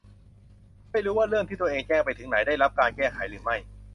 ไม่รู้ว่าเรื่องที่ตัวเองแจ้งไปถึงไหน ได้รับการแก้ไขหรือไม่